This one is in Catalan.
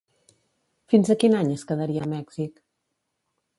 Fins a quin any es quedarien a Mèxic?